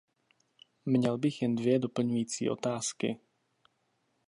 Měl bych jen dvě doplňující otázky.